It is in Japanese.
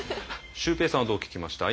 シュウペイさんはどう聞きました？